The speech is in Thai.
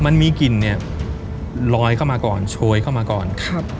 มันมีกลิ่นเนี่ยลอยเข้ามาก่อนโชยเข้ามาก่อนครับ